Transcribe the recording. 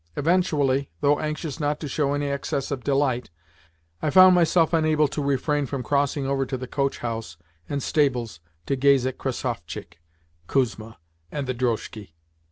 Eventually, though anxious not to show any excess of delight, I found myself unable to refrain from crossing over to the coach house and stables to gaze at Krassovchik, Kuzma, and the drozhki.